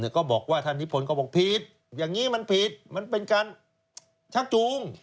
ก็บอกว่าท่านนิพนธ์ก็บอกผิดอย่างนี้มันผิดมันเป็นการชักจูง